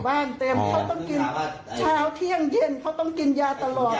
เต็มเขาต้องกินเช้าเที่ยงเย็นเขาต้องกินยาตลอด